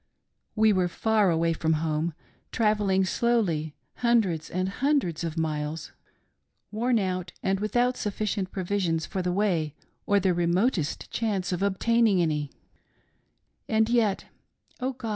We were far away from home, travelling slowly hundreds and hundreds of 21 8 LEFT ALONE. miles, worn out and without sufficient provisions for the way or the remotest chance of obtaining any : And yet, Oh God